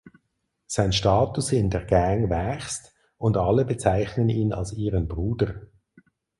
Sein Status in der Gang wächst und alle bezeichnen ihn als ihren Bruder.